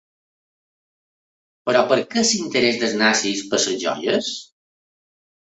Però per què l’interès dels nazis per les joies?